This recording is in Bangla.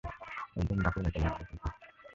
একদম ডাকুর মত লাগবে তোকে।